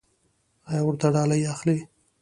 ایا ورته ډالۍ اخلئ؟